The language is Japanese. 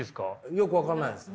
よく分かんないですね。